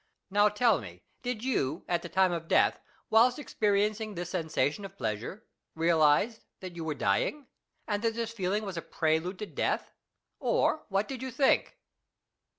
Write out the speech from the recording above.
Now tell me, did you at the time of death, whilst experiencing this sensation of pleasure, realise that you were dying, and that this feel ing was a prelude to death, or what did you think